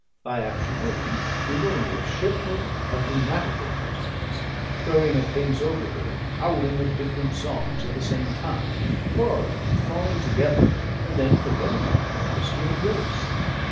By afternoon we were a mere shipful of lunatical persons, throwing of things overboard, howling of different songs at the same time, quarrelling and falling together, and then forgetting our quarrels to embrace.